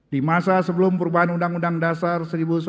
di masa sebelum perubahan undang undang dasar